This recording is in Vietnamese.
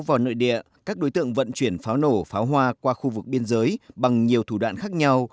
vào nội địa các đối tượng vận chuyển pháo nổ pháo hoa qua khu vực biên giới bằng nhiều thủ đoạn khác nhau